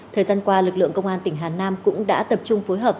thời gian qua lực lượng công an tỉnh hà nam cũng đã tập trung phối hợp